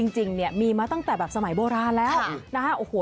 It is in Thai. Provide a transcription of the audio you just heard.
จริงเนี่ยมีมาตั้งแต่แบบสมัยโบราณแล้ว